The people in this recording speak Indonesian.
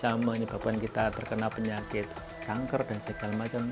bisa menyebabkan kita terkena penyakit kanker dan segala macam